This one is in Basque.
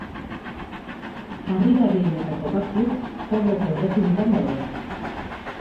Harrigarrienetako batzuk, Kongoko Errepublikan daude.